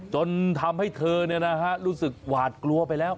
จนทำให้เธอรู้สึกหวาดกลัวไปแล้ว